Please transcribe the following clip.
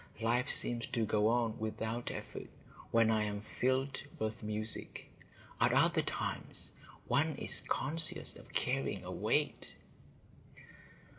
Life seems to go on without effort, when I am filled with music. At other times one is conscious of carrying a weight."